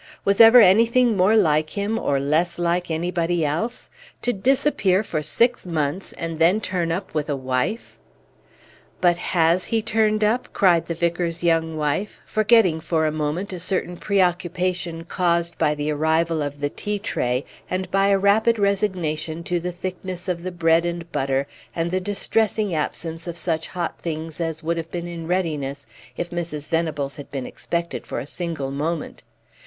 Was ever anything more like him, or less like anybody else? To disappear for six months, and then turn up with a wife!" "But has he turned up?" cried the vicar's young wife, forgetting for a moment a certain preoccupation caused by the arrival of the tea tray, and by a rapid resignation to the thickness of the bread and butter and the distressing absence of such hot things as would have been in readiness if Mrs. Venables had been expected for a single moment.